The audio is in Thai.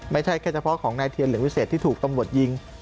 ไม่ใช่แค่เฉพาะของนายเทียนหรือวิเศษที่ถูกตำรวจยิง